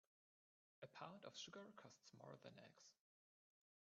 A pound of sugar costs more than eggs.